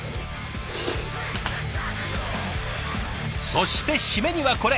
そして締めにはこれ。